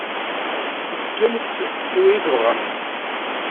Fkemt-tt i win i tebɣamt.